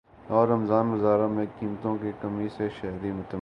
لاہور رمضان بازاروں میں قیمتوں کی کمی سے شہری مطمئین